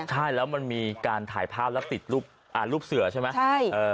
ใช่แล้วมันมีการถ่ายภาพแล้วติดรูปอ่ารูปเสือใช่ไหมใช่เออ